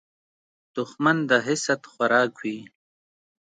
دښمن د حسد خوراک وي